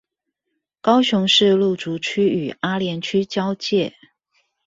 高雄市路竹區與阿蓮區交界